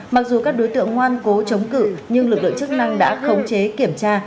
mặc dù các đối tượng ngoan cố chống cự nhưng lực lượng chức năng đã khống chế kiểm tra